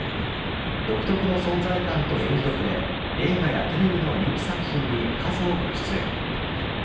独特の存在感と演技力で、映画やテレビの人気作品に数多く出演。